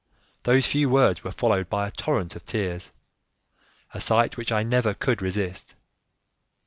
Those few words were followed by a torrent of tears, a sight which I never could resist.